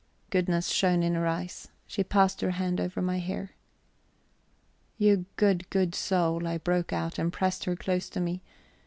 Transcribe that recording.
Goodness shone in her eyes; she passed her hand over my hair. "You good, good soul," I broke out, and pressed her close to me.